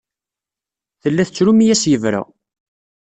Tella tettru mi as-yebra.